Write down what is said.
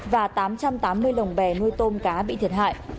và tám trăm tám mươi lồng bè nuôi tôm cá bị thiệt hại